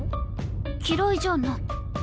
嫌いじゃない。